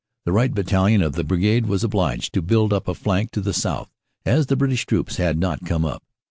The right battalion of the Brigade was obliged to build up a flank to the south, as the British troops had not come up.